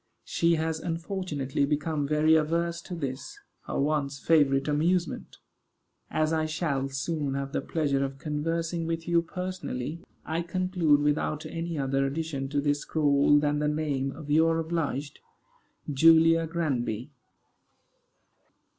She has unfortunately become very averse to this, her once favorite amusement. As I shall soon have the pleasure of conversing with you personally, I conclude without any other addition to this scrawl than the name of your obliged JULIA GRANBY.